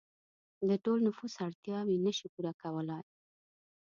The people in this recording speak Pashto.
د ټول نفوس اړتیاوې نشي پوره کولای.